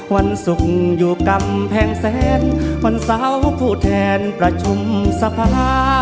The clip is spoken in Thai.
วันศุกร์อยู่กำแพงแสนวันเสาร์ผู้แทนประชุมสภา